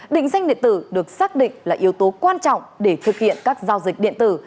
định danh điện tử được xác định là yếu tố quan trọng để thực hiện các giao dịch điện tử